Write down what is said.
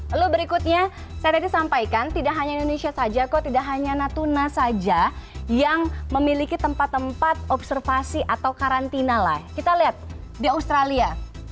lalu berikutnya saya tadi sampaikan tidak hanya indonesia saja kok tidak hanya natuna saja yang memiliki tempat tempat observasi atau karantina lah kita lihat di australia